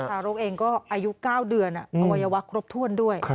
ทารกเองก็อายุ๙เดือนอวัยวะครบถ้วนด้วย